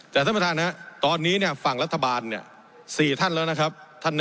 แต่ท่านประธานครับตอนนี้ฝั่งรัฐบาล๔ท่านแล้วนะครับ